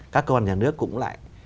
các cơ quan nhà nước cũng lại